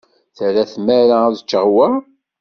Terra tmara ad ččeɣ wa?